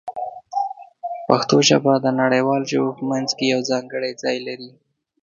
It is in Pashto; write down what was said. پښتو ژبه د نړیوالو ژبو په منځ کې یو ځانګړی ځای لري.